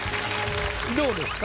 どうですか？